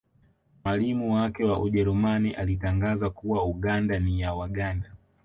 Mwalimu wake wa Ujerumani alitangaza kuwa Uganda ni ya Waganda